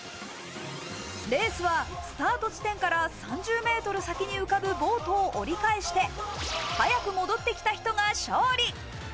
レースはスタート地点から３０ｍ先に浮かぶボートを折り返して、早く戻ってきた人が勝利。